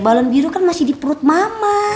balon biru kan masih di perut mama